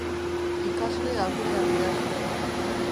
Ikasle agurgarriak.